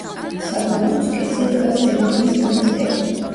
საგურამოს ქედზე დგას ზედაზნის მონასტერი.